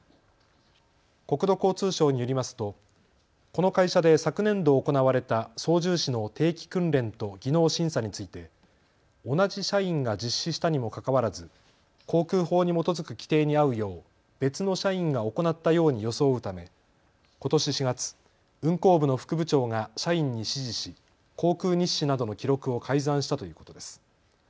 国土交通省によりますとこの会社で昨年度行われた操縦士の定期訓練と技能審査について同じ社員が実施したにもかかわらず航空法に基づく規定に合うよう別の社員が行ったように装うためことし４月、運航部の副部長が社員に指示し航空日誌などの記録を改ざんしたということです。